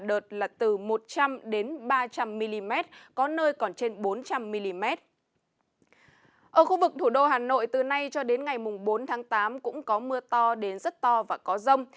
ở khu vực thủ đô hà nội từ nay cho đến ngày bốn tháng tám cũng có mưa to đến rất to và có rông